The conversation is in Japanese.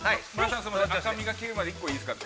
◆赤みが消えるまで、１個いいですか。